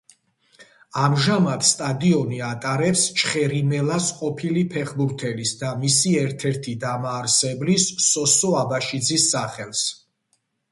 ამჟამად სტადიონი ატარებს „ჩხერიმელას“ ყოფილი ფეხბურთელის და მისი ერთ–ერთი დამაარსებლის სოსო აბაშიძის სახელს.